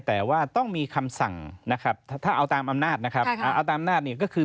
แต่ว่าต้องมีคำสั่งนะครับถ้าเอาตามอำนาจในก็คือ